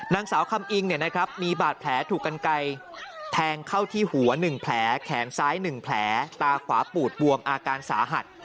นางสาวคำอิงมีบาดแผลถูกกันไกลแทงเข้าที่หัว๑แผลแขนซ้าย๑แผลตาขวาปูดบวมอาการสาหัส